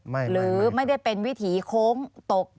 หรือไม่ได้เป็นวิถีโค้งตก